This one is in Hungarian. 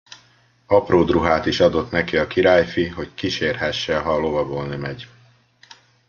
Apródruhát is adott neki a királyfi, hogy kísérhesse, ha lovagolni megy.